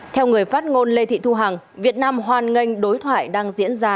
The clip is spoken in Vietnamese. theo người phát ngôn lê thị thu hằng việt nam hoan nghênh đối thoại đang diễn ra